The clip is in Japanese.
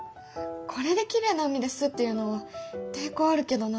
これできれいな海ですって言うのは抵抗あるけどな。